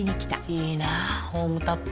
いいなホームタップ。